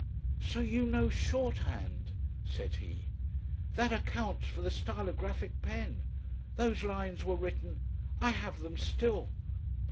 "So you know shorthand?" said he. "That accounts for the stylographic pen. Those lines were written.... I have them still."